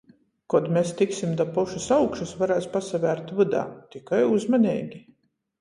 Kod mes tiksim da pošys augšys, varēs pasavērt vydā. Tikai uzmaneigi.